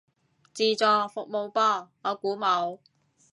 自助服務噃，我估冇